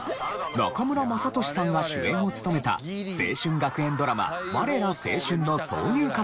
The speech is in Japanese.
中村雅俊さんが主演を務めた青春学園ドラマ『われら青春！』の挿入歌として使用され。